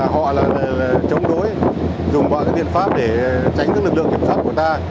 họ là chống đối dùng bọn tiện pháp để tránh các lực lượng kiểm soát của ta